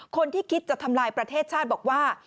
คิดจะทำลายประเทศชาติบอกว่า